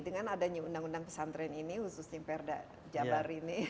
jadi kan adanya undang undang pesantren ini khususnya perda jabar ini